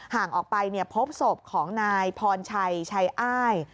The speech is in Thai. ห่างออกไปพบศพของนายพรชัยชัยอ้าย